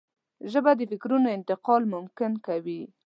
ژبه د فکرونو انتقال ممکن کوي